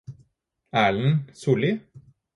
Erlend Solli